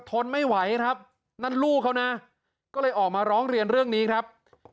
ทนไม่ไหวครับนั่นลูกเขานะก็เลยออกมาร้องเรียนเรื่องนี้ครับ